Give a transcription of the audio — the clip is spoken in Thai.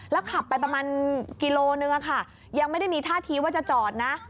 ขับไปประมาณกิโลนึงอะค่ะยังไม่ได้มีท่าทีว่าจะจอดนะ